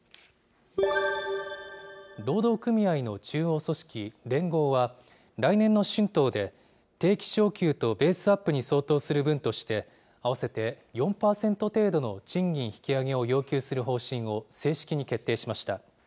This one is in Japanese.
労働組合の中央組織、連合は、来年の春闘で定期昇給とベースアップに相当する分として、合わせて４％程度の賃金引き上げを要求する方針を正式に決定しました。